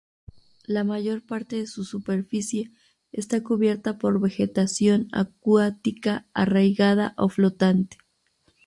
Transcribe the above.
La mayor parte de su superficie, está cubierta por vegetación acuática arraigada o flotante.